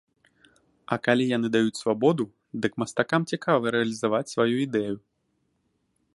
А калі яны даюць свабоду, дык мастакам цікава рэалізаваць сваю ідэю.